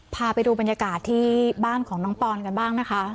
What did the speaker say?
พาไปดูบรรยากาศที่บ้านของน้องปอนกันบ้างนะคะ